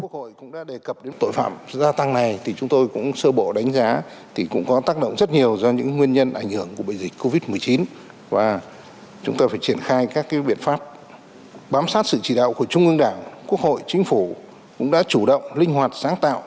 quốc hội cũng đã đề cập đến tội phạm gia tăng này thì chúng tôi cũng sơ bộ đánh giá thì cũng có tác động rất nhiều do những nguyên nhân ảnh hưởng của bệnh dịch covid một mươi chín và chúng tôi phải triển khai các biện pháp bám sát sự chỉ đạo của trung ương đảng quốc hội chính phủ cũng đã chủ động linh hoạt sáng tạo